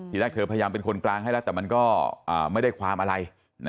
ทีแรกเธอพยายามเป็นคนกลางให้แล้วแต่มันก็ไม่ได้ความอะไร